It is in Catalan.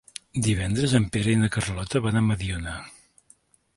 Divendres en Pere i na Carlota van a Mediona.